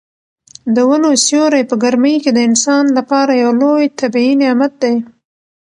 د ونو سیوری په ګرمۍ کې د انسان لپاره یو لوی طبیعي نعمت دی.